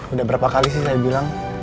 udah berapa kali sih saya bilang